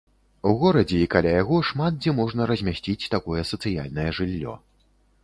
У горадзе і каля яго шмат дзе можна размясціць такое сацыяльнае жыллё.